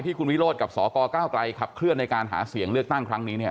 ที่คุณวิโรดกับสกก้าวกรัยขับเคลื่อนในการหาเสี่ยงเลือกตั้งครั้งนี้